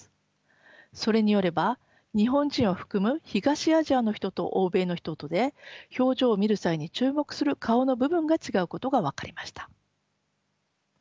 それによれば日本人を含む東アジアの人と欧米の人とで表情を見る際に注目する顔の部分が違うことが分かりました。